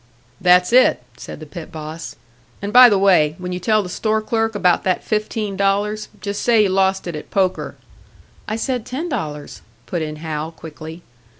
"That's it," said the pit boss. "And by the way, when you tell the store clerk about that fifteen dollars, just say you lost it at poker." "I said ten dollars," put in Hal, quickly.